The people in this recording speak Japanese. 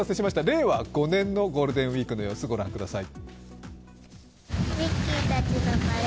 令和５年のゴールデンウイークの様子、ご覧ください。